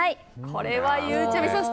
これは、ゆうちゃみさん